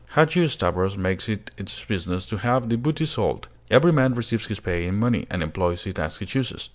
Hadgi Stavros makes it his business to have the booty sold; every man receives his pay in money, and employs it as he chooses.